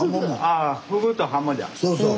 そうそう。